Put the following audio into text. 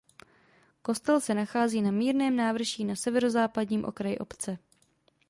Kostel se nachází na mírném návrší na severozápadním okraji obce.